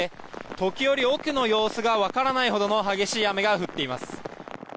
時折奥の様子が分からないほどの激しい雨が降っています。